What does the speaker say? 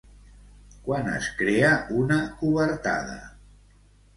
Quan es crea una cobertada?